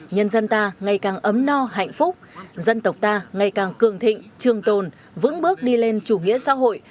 nhân dân ta ngày càng ấm no hạnh phúc dân tộc ta ngày càng cường thịnh trường tồn vững bước đi lên chủ nghĩa xã hội